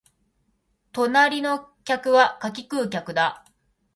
隣の客は柿食う客だ